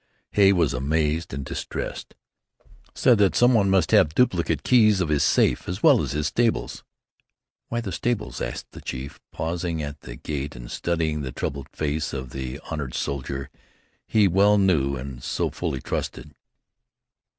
Hay was amazed and distressed said that someone must have duplicate keys of his safe as well as of his stables." "Why the stables?" asked the chief, pausing at the gate and studying the troubled face of the honored soldier he so well knew and so fully trusted.